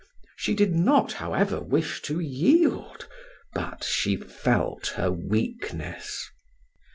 She did not however wish to yield, but she felt her weakness.